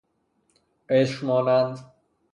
قشر مانند